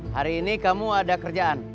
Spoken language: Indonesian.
hari ini kamu ada kerjaan